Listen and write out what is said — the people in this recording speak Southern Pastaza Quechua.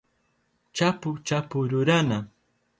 chapu chapu rurana